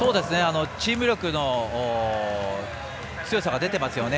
チーム力の強さが出ていますよね。